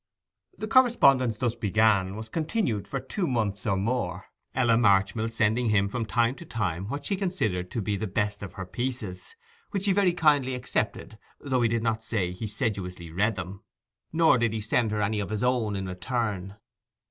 The correspondence thus begun was continued for two months or more, Ella Marchmill sending him from time to time some that she considered to be the best of her pieces, which he very kindly accepted, though he did not say he sedulously read them, nor did he send her any of his own in return.